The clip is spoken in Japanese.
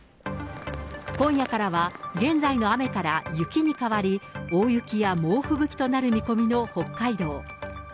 今夜からは、現在の雨から雪に変わり、大雪や猛吹雪となる見込みの北海道。